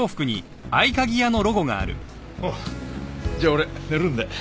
あっじゃあ俺寝るんで。